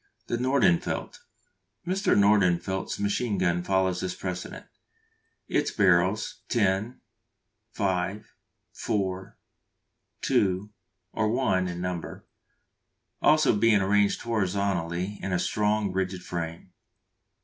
The Nordenfelt. Mr. Nordenfelt's machine gun follows this precedent; its barrels 10, 5, 4, 2, or 1 in number also being arranged horizontally in a strong, rigid frame.